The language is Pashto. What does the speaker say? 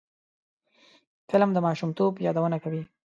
فلم د ماشومتوب یادونه کوي